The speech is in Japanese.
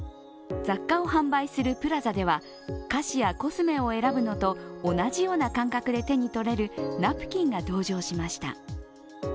雑貨を販売するプラザでは菓子やコスメを選ぶのと同じような感覚で手にとれるナプキンが登場しました。